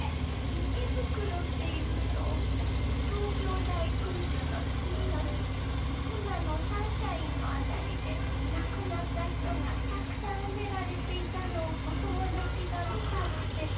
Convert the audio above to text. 池袋っていうと東京大空襲の次の日に今のサンシャインの辺りで亡くなった人がたくさんウメラレていたのをお友達が見たって。